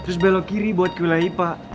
terus belok kiri buat ke wilayah pak